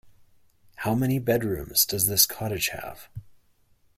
How many bedrooms does this cottage have?